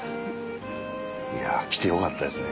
来てよかったですね。